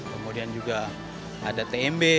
kemudian juga ada tnb